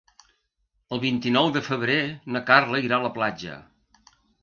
El vint-i-nou de febrer na Carla irà a la platja.